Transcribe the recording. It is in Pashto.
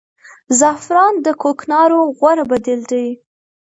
زعفران د کوکنارو غوره بدیل دی